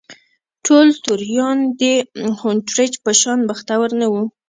ټول توریان د هونټریج په شان بختور نه وو.